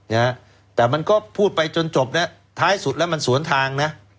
นะฮะแต่มันก็พูดไปจนจบนะท้ายสุดแล้วมันสวนทางนะ